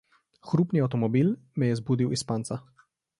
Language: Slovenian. Hrupni avtomobil me je zbudil iz spanca.